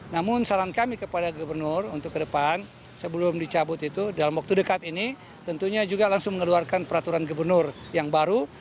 namun saran kami kepada gubernur untuk ke depan sebelum dicabut itu dalam waktu dekat ini tentunya juga langsung mengeluarkan peraturan gubernur yang baru